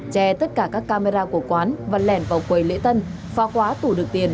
che tất cả các camera của quán và lèn vào quầy lễ tân phá hóa tủ được tiền